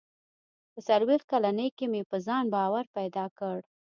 • په څلوېښت کلنۍ کې مې په ځان باور پیدا کړ.